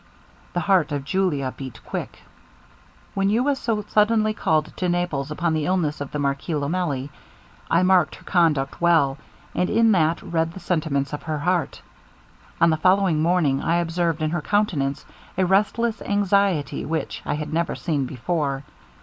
The heart of Julia beat quick. 'When you was so suddenly called to Naples upon the illness of the Marquis Lomelli, I marked her conduct well, and in that read the sentiments of her heart. On the following morning, I observed in her countenance a restless anxiety which I had never seen before.